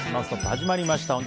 始まりました。